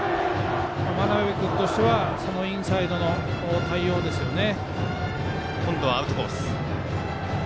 真鍋君としてはインサイドの対応ですね。